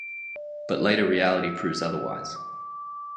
But later reality proves otherwise.